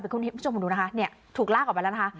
เป็นคลิปทุกคนดูนะคะเนี่ยถูกลากออกไปแล้วนะคะ